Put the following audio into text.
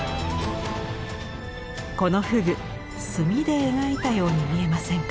この河豚墨で描いたように見えませんか？